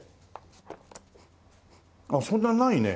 あっそんなにないね。